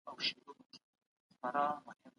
علم د موضوعاتو په اړه منظم پوهاوی دی.